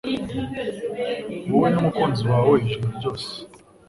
woe numukunzi wawe ijoro ryose